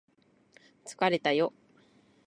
疲れたよ